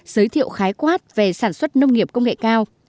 giới thiệu khái quát về sản xuất nông nghiệp công nghệ cao